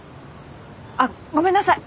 あっごめんなさい！